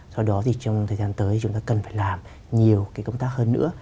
do đó trong thời gian tới chúng ta cần phải làm nhiều công tác hơn nữa